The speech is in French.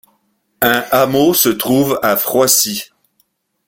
Un hameau se trouve à Froissy.